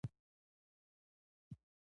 هغې خپلې مخکینۍ موندنې تایید کړې.